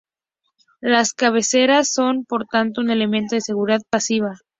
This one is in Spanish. Las cabeceras son, por tanto, un elemento de seguridad pasiva.